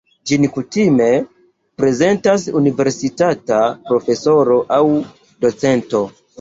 Ĝin kutime prezentas universitata profesoro aŭ docento.